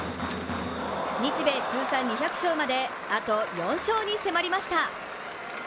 日米通算２００勝まで、あと４勝に迫りました。